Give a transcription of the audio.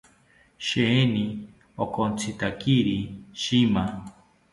Sheeni onkotzitakiri shima